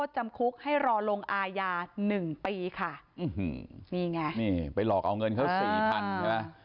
จำคลุกให้รอลงอายา๑ปีค่ะนี่ไงไปหลอกเอาเงินเขา๔๐๐๐บาท